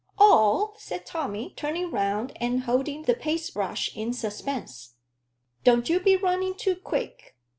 "All?" said Tommy, turning round and holding the paste brush in suspense. "Don't you be running too quick.